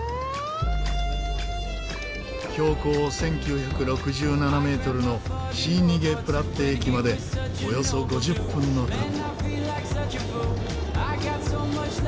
標高１９６７メートルのシーニゲプラッテ駅までおよそ５０分の旅。